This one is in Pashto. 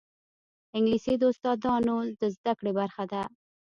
انګلیسي د استاذانو د زده کړې برخه ده